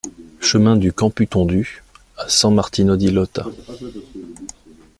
Chemin du Campu Tondu à San-Martino-di-Lota